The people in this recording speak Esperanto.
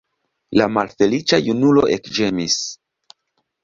La malfeliĉa junulo ekĝemis.